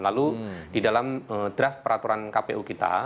lalu di dalam draft peraturan kpu kita